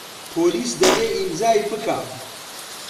پۆلیس دەبێ ئیمزای بکا.